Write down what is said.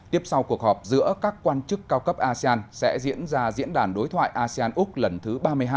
tiếp sau cuộc họp giữa các quan chức cao cấp asean sẽ diễn ra diễn đàn đối thoại asean úc lần thứ ba mươi hai